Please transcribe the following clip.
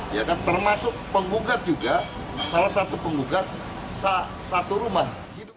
ya kan termasuk penggugat juga salah satu penggugat satu rumah